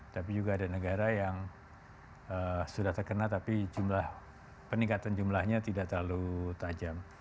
tapi juga ada negara yang sudah terkena tapi jumlah peningkatan jumlahnya tidak terlalu tajam